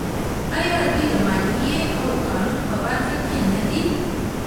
آیا دوی د مالیې او قانون په برخه کې نه دي؟